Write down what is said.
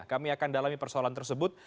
kami akan dalami persoalan tersebut